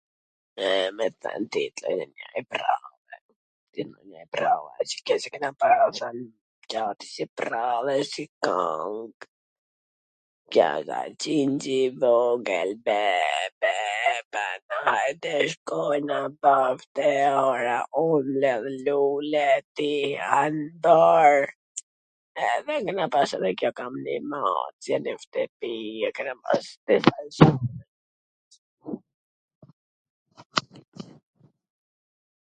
me than di ... si prrall e si kang. Qingj i vogwl be be ba, ajde shkojmw bashk te ara, un mbledh lule ti an bar, edhe kena pas kam nji mace nw shtwpi kena pas shum...